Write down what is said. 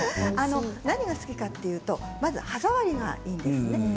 何が好きかというとまず歯触りがいいんですね。